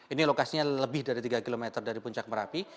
ini lokasinya lebih dari tiga km dari puncak merapi